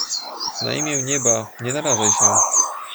"na imię nieba, nie narażaj się!"